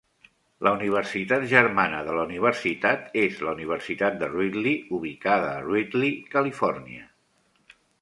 La Universitat germana de la universitat és la Universitat de Reedley, ubicada a Reedley, California.